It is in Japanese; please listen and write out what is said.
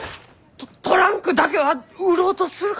トランクだけは売ろうとするかもしれん！